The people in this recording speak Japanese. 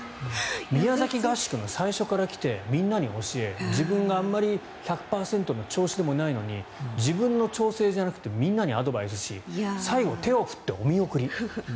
宮崎合宿の最初から来てみんなに教え自分があまり１００％の調子でもないのに自分の調整じゃなくてみんなにアドバイスし最後、手を振ってお見送り。